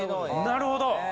なるほど！